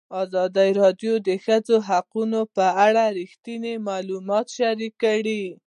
ازادي راډیو د د ښځو حقونه په اړه رښتیني معلومات شریک کړي.